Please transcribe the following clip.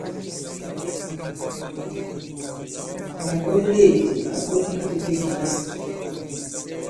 Nyàŋgo muleèdì ǎ koŋ itētē kìlasì.